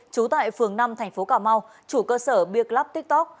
trú tại phường năm thành phố cà mau chủ cơ sở biêc lắp tiktok